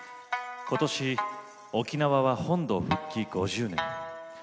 ことし沖縄は本土復帰５０年。